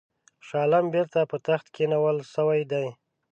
شاه عالم بیرته پر تخت کښېنول سوی دی.